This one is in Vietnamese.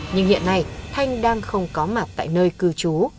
nhưng hiện nay thanh đang không có mặt tại nơi cư trú